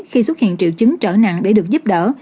khi xuất hiện triệu chứng trở nặng để được giúp đỡ